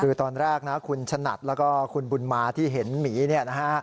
คือตอนแรกนะคุณฉนัดแล้วก็คุณบุญมาที่เห็นหมีเนี่ยนะฮะ